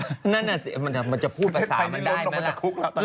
วันนี้มันเป็นประเทศไทยนี่เริ่มลงแต่คุกแล้ว